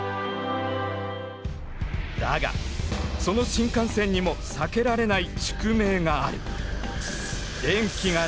だがその新幹線にも避けられない宿命がある。